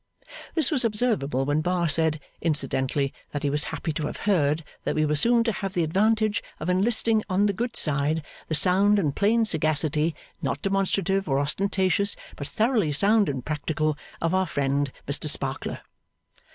This was observable when Bar said, incidentally, that he was happy to have heard that we were soon to have the advantage of enlisting on the good side, the sound and plain sagacity not demonstrative or ostentatious, but thoroughly sound and practical of our friend Mr Sparkler.